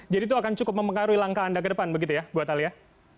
jadi itu akan cukup memengaruhi langkah anda ke depan begitu ya buat alia